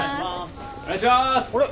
お願いします！